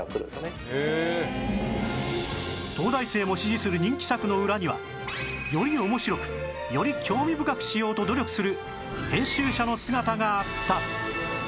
東大生も支持する人気作の裏にはより面白くより興味深くしようと努力する編集者の姿があった